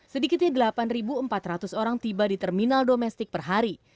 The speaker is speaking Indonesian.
sedikitnya delapan empat ratus orang tiba di terminal domestik per hari